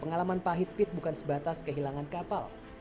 pengalaman pahit pit bukan sebatas kehilangan kapal